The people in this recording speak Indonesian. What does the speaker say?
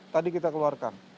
tadi kita keluarkan